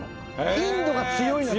インドが強いのよ。